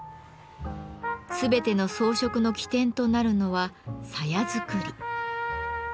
全ての装飾の起点となるのは鞘作り。